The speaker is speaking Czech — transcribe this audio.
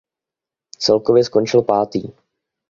Celkově skončil pátý.